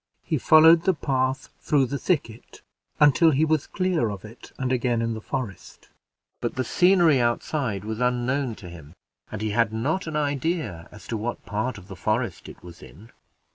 He followed the path through the thicket until he was clear of it, and again in the forest; but the scenery outside was unknown to him, and he had not an idea as to what part of the forest it was in.